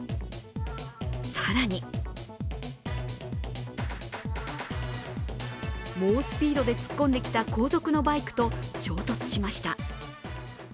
更に猛スピードで突っ込んできた後続のバイクと衝突しました。